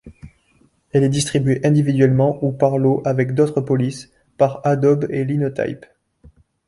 Elle est distribuée, individuellement ou par lot avec d'autres polices, par Adobe et Linotype.